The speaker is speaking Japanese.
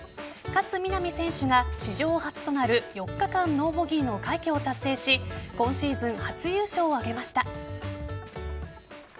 勝みなみ選手が史上初となる４日間ノーボギーの快挙を達成し今シーズン初優勝を挙げました。